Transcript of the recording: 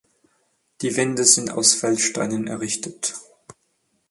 Die Wände sind aus Feldsteinen errichtet.